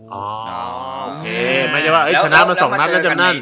หมายถึงว่าชนะมาสองนับแล้วจำนั้น